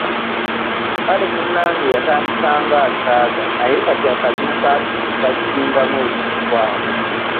Kale munnange yatandika ng'asaaga naye kati akaduuka ke ke kasingamu ebintu awo.